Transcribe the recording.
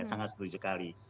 sangat setuju sekali